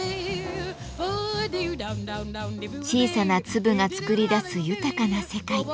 小さな粒が作り出す豊かな世界。